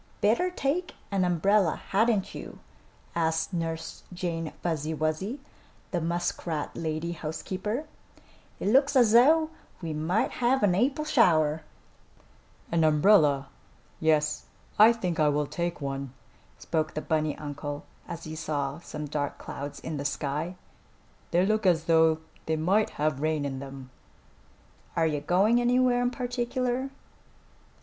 "Better take an umbrella, hadn't you?" asked Nurse Jane Fuzzy Wuzzy, the muskrat lady housekeeper. "It looks as though we might have an April shower." "An umbrella? Yes, I think I will take one," spoke the bunny uncle, as he saw some dark clouds in the sky. "They look as though they might have rain in them." "Are you going anywhere in particular?"